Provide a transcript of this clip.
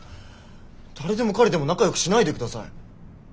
誰でも彼でも仲よくしないでください。